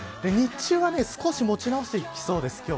日中は少し持ち直してきそうです。